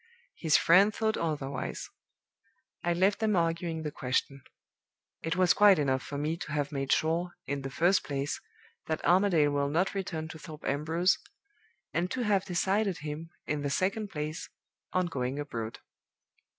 His friend thought otherwise. I left them arguing the question. It was quite enough for me to have made sure, in the first place, that Armadale will not return to Thorpe Ambrose; and to have decided him, in the second place, on going abroad.